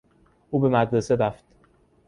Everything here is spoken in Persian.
او به مدرسه رفت.